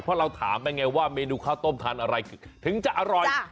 เพราะเราถามไปไงว่าเมนูข้าวต้มทานอะไรถึงจะอร่อย